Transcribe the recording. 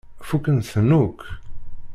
Fukkent-ten akk.